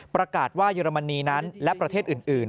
ประกาศว่าเยอรมนีนั้นและประเทศอื่น